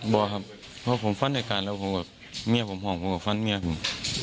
บอกครับเพราะผมฟันเหตุการณ์แล้วผมแบบเมียผมหอมผมก็ฟันเมียผม